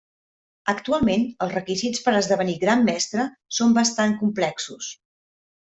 Actualment els requisits per esdevenir Gran Mestre són bastant complexos.